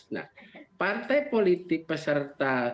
nah partai politik peserta